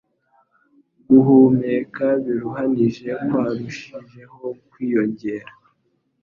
Guhumeka biruhanije kwarushijeho kwiyongera,